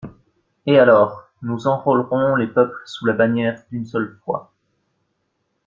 Et alors, nous enrôlerons les peuples sous la bannière d'une seule foi.